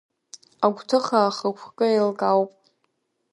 Агәҭыха, ахықәкы еилкаауп.